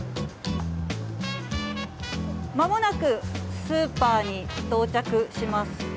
まもなくスーパーに到着します。